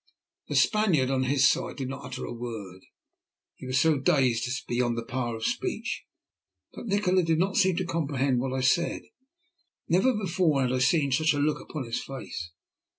The Spaniard, on his side, did not utter a word. He was so dazed as to be beyond the power of speech. But Nikola did not seem to comprehend what I said. Never before had I seen such a look upon his face.